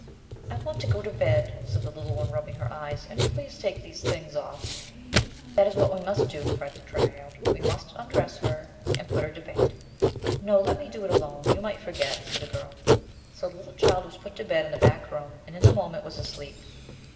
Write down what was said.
"I want to go to bed," said the little one, rubbing her eyes, "and please take these things off." "That is what we must do," cried the dryad, "we must undress her and THE LOST DRYAD put her to bed." "No, let me do it alone, you might forget," said the girl. So the little child was put to bed in the back room and, in a moment, was asleep.